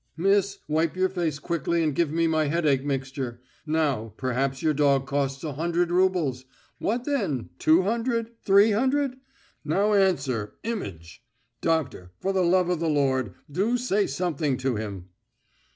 "Miss, wipe your face quickly and give me my headache mixture. Now, perhaps your dog costs a hundred roubles! What then, two hundred? Three hundred? Now answer, image. Doctor, for the love of the Lord, do say something to him!"